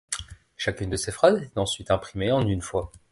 Chacune de ces phrases était ensuite imprimée en une fois.